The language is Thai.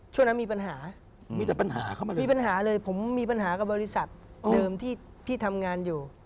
ช่วงนั้นมีปัญหามีแต่ปัญหาเข้ามาเลยมีปัญหาเลยผมมีปัญหากับบริษัทเดิมที่พี่ทำงานอยู่